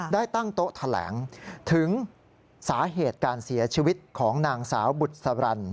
ได้ตั้งโต๊ะแถลงถึงสาเหตุการเสียชีวิตของนางสาวบุษบรัน